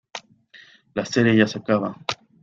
La serie ya se acaba.